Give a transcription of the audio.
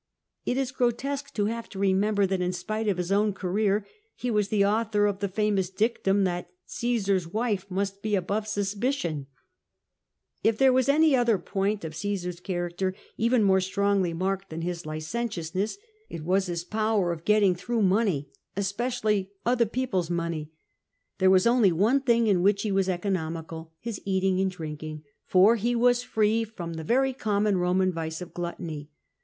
It is grotesque to have to remember that in spite of his own career he was the author of the famous dictum that Caesar's wife must be above suspicion," If there was any other point of Ccesar's character even more strongly marked than his licentiousness, it was his C^SAR 302 power of getting through money — especially other people's money. There was only one thing in which he was economical, his eating and drinking, for he was free from the very common Roman vice of gluttony.